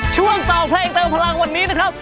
ช่วงต่อเพลงเติมพลังวันนี้นะครับ